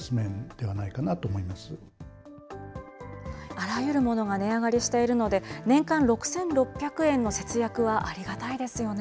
あらゆるものが値上がりしているので、年間６６００円の節約はありがたいですよね。